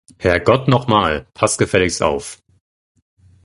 Herrgott nochmal, pass gefälligst auf!